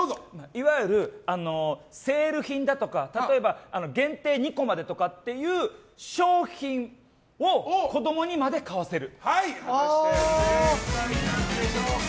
いわゆる、セール品だとか限定２個までとかっていう商品を子供にまで買わせる。